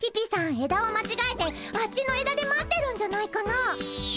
えだを間違えてあっちのえだで待ってるんじゃないかな？